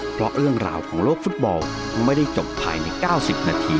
เพราะเรื่องราวของโลกฟุตบอลไม่ได้จบภายใน๙๐นาที